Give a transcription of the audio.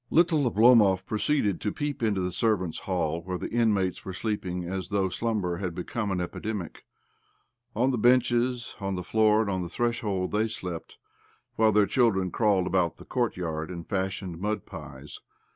Little Oblomov proceeded to peep into the servants' hall, where the inmates were sleep ing as though slumber had become an epi demic. On the benches, on the floor, and on the threshold they, slept, while their children crawled about the courtyard and fashioned mud pies.